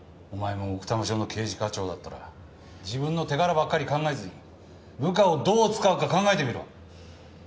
お前も奥多摩署の刑事課長だったら自分の手柄ばっかり考えずに部下をどう使うか考えてみろ。